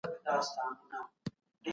زده کوونکی به درس تکراروي.